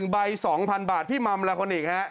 ใบ๒๐๐๐บาทพี่มัมลาคนอีกฮะ